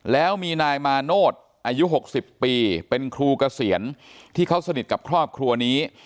แล้วมีนายมาโนธอายุ๖๐ปีเป็นครูเกษียณที่เขาสนิทกับครอบครัวนี้